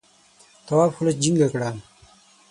تواب خوله جینگه کړه.